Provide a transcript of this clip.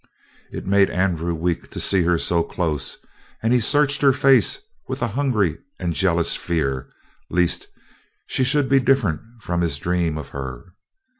It made Andrew weak to see her so close, and he searched her face with a hungry and jealous fear, lest she should be different from his dream of her.